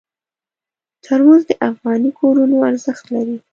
ترموز د افغاني کورونو ارزښت لري.